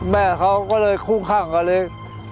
แม่เขาก็เลยคู่ข้างกันเลย